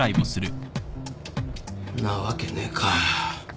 んなわけねえか。